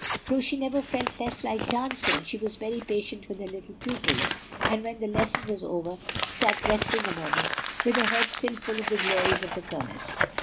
Though she never felt less like dancing, she was very patient with her little pupils, and when the lesson was over sat resting a moment, with her head still full of the glories of the Kirmess.